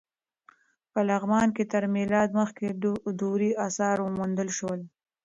په لغمان کې تر میلاد مخکې دورې اثار وموندل شول.